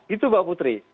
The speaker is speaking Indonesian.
itu mbak putri